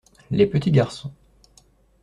Les petits garçons.